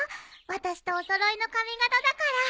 私とお揃いの髪形だから。